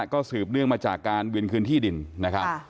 ก็สืบเนื่องมาจากการเวียนคืนที่ดินนะครับ